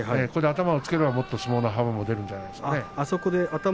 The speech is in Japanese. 頭をつければ、もっと相撲の幅も出てくるんじゃないですかね。